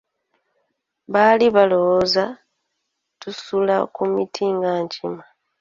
Baali balowooza tusula ku miti nga nkima.